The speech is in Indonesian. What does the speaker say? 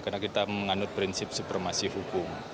karena kita menganut prinsip supremasi hukum